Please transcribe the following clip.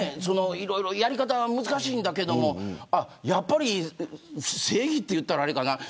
いろいろやり方は難しいんだけどもやっぱり、正義って言ったらあれかな